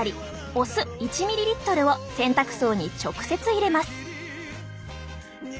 お酢１ｍＬを洗濯槽に直接入れます。